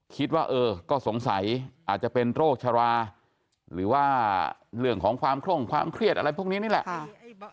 คิดว่าเออก็สงสัยอาจจะเป็นโรคชราหรือว่าเรื่องของความคร่งความเครียดอะไรพวกนี้นี่แหละ